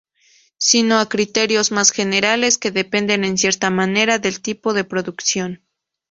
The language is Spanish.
Sino a criterios más generales, que dependen en cierta manera del tipo de producción.